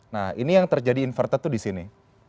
nah ini yang terjadi inverted itu di sini